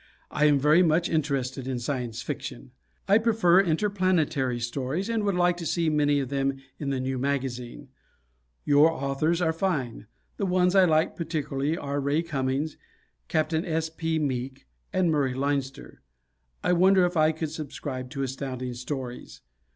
I am very much interested in science fiction. I prefer interplanetary stories and would like to see many of them in the new magazine. Your authors are fine. The ones I like particularly are Ray Cummings, Captain S. P. Meek, and Murray Leinster. I wonder if I could subscribe to Astounding Stories?